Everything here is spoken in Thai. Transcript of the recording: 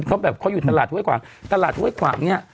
เขาแบบเขาอยู่ตลาดห้วยขวางตลาดห้วยขวางเนี่ย